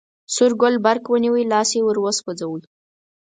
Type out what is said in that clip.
سور ګل برق ونیوی، لاس یې وروسوځوی.